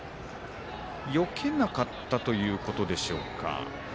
よけなかったということでしょうか。